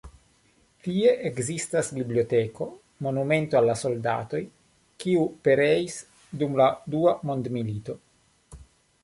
Tie ekzistas biblioteko, monumento al la soldatoj, kiuj pereis dum la Dua Mondmilito.